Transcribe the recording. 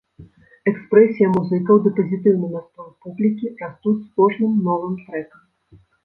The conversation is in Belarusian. Экспрэсія музыкаў ды пазітыўны настрой публікі растуць з кожным новым трэкам.